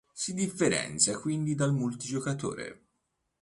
Si differenzia quindi dal multigiocatore.